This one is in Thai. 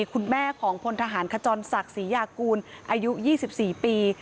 คุณแม่ของพลทหารขจรศักดิ์ศรียากูลอายุ๒๔ปี